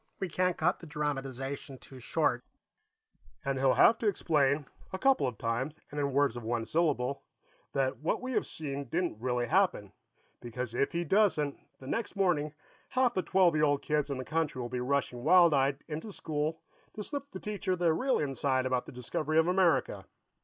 We can't cut the dramatization too short " "And he'll have to explain, a couple of times, and in words of one syllable, that what we have seen didn't really happen, because if he doesn't, the next morning half the twelve year old kids in the country will be rushing wild eyed into school to slip the teacher the real inside about the discovery of America.